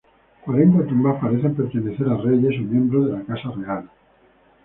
Cuarenta tumbas parecen pertenecer a reyes o miembros de la casa real.